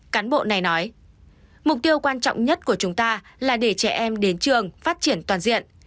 cán bộ này nói mục tiêu quan trọng nhất của chúng ta là để trẻ em đến trường phát triển toàn diện